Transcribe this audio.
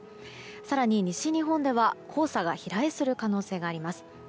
更に、西日本では黄砂が飛来する可能性があります。